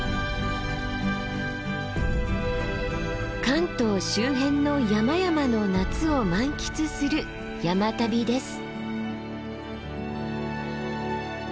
関東周辺の山々の夏を満喫する山旅です。